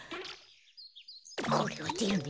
これはでるね。